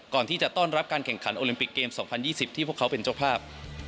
ก่อนที่จะต้อนรับการแข่งขันโอลิมปิกเกม๒๐๒๐ที่พวกเขาเป็นเจ้าภาพ